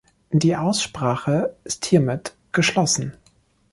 Die Aussprache ist hiermit geschlossen.